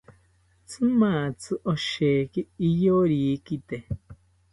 Tzimatzi osheki iyorikite